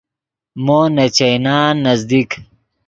مو نے چائینان نزدیک